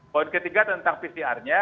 poin ketiga tentang pcr nya